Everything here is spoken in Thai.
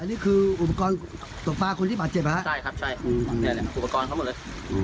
นี่คืออุปกรณ์ตกปลาคนที่บาดเจ็บเหรอฮะใช่ครับใช่อุปกรณ์เขาหมดเลย